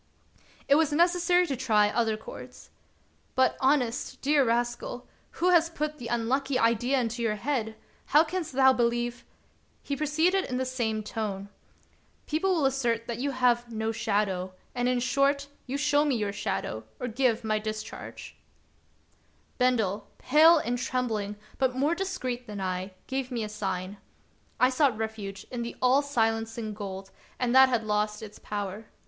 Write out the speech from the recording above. It was necessary to try other chords. " But, honest, dear Rascal, who has put the unlucky idea into your head ? How canst thou believe "— He proceeded in the same tone: "People will assert that you have no shadow ; and, in short, you show me your shadow, or give me my dis charge." of Peter Schlemihl, 53 Bendel, pale and trembling, but more discreet than I, gave me a sign. I sought refuge in the all silencing gold, and that had lost its power.